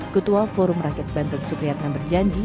ketua forum rakyat banten supriyatna berjanji